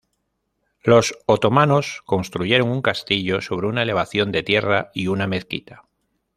Los otomanos construyeron un castillo sobre una elevación de tierra y una mezquita.